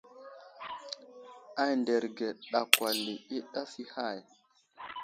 Anderge ɗakwala i ɗaf i hay.